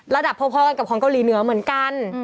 พอกันกับของเกาหลีเหนือเหมือนกัน